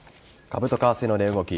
株と為替の値動き